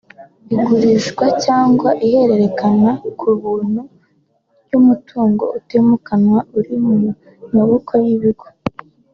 igurishwa cyangwa ihererekanya ku buntu ry’umutungo utimukanwa uri mu maboko y’ibigo